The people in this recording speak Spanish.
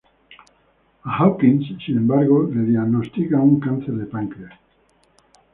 A Hawkins, sin embargo, le diagnostican un cáncer de páncreas.